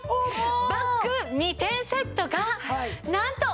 バッグ２点セットがなんと！